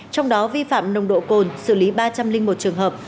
trong đó vi phạm nồng độ cồn xử lý ba trăm linh một trường hợp